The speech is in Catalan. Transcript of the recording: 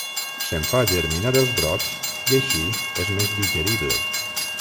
Se'n fa germinar els brots i així és més digerible.